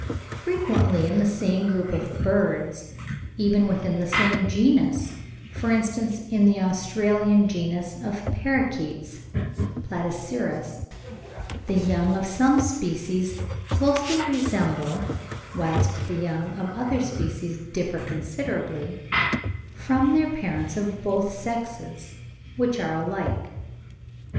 Frequently in the same group of birds, even within the same genus, for instance in an Australian genus of parrakeets (Platycercus), the young of some species closely resemble, whilst the young of other species differ considerably, from their parents of both sexes, which are alike.